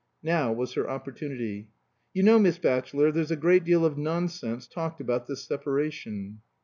(Now was her opportunity.) "You know, Miss Batchelor, there's a great deal of nonsense talked about this separation."